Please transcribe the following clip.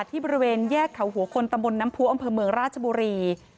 ที่บริเวณแยกเขาหัวคนตำบลน้ำพัวอำเภอเมืองราชบุรี